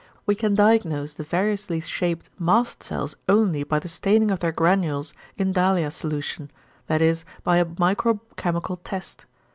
We can diagnose the variously shaped mast cells only by the staining of their granules in dahlia solution, that is by a microchemical test.